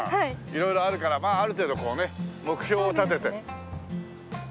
色々あるからまあある程度こうね目標を立てて。